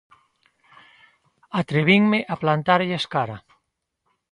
Atrevinme a plantarlles cara